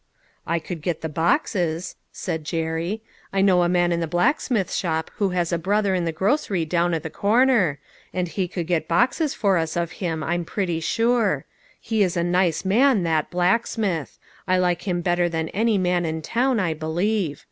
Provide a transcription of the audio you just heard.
" I could get the boxes," said Jerry. " I know a man in the blacksmith shop who has a brother in the grocery down at the corner, and he could get boxes for us of him, I'm pretty sure. He is A GREAT UNDERTAKING. 99 a nice man, that blacksmith. I like him better than any man in town, I believe.